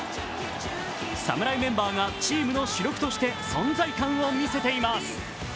侍メンバーがチームの主力として存在感を見せています。